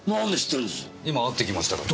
今会ってきましたから。